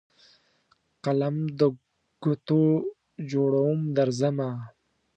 قلم دګوټو جوړوم درځمه